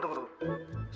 tunggu tunggu tunggu